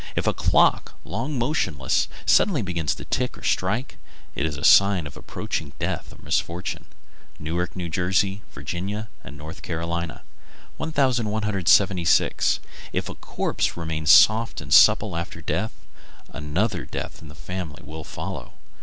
If a clock, long motionless, suddenly begins to tick or strike, it is a sign of approaching death or misfortune. Newark, N.J., Virginia, and North Carolina. 1176. If a corpse remains soft and supple after death, another death in the family will follow.